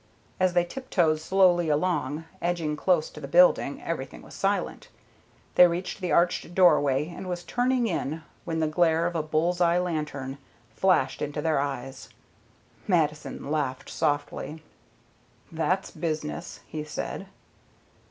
As they tiptoed slowly along, edging close to the building, everything was silent. They reached the arched doorway, and were turning in when the glare of a bull's eye lantern flashed into their eyes. Mattison laughed softly. "That's business," he said.